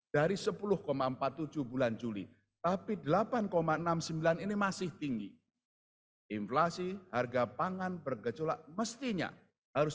dari sepuluh empat puluh tujuh bulan juli tapi delapan enam puluh sembilan ini masih tinggi inflasi harga pangan bergejolak mestinya harus